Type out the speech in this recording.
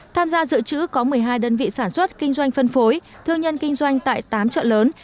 tham gia dự trữ có một mươi hai đơn vị sản xuất kinh doanh phân phối thương nhân kinh doanh tại tám chợ lớn